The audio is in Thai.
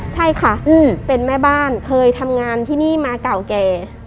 ใช่ค่ะเป็นแม่บ้านเคยทำงานที่นี่มาเก่าแก่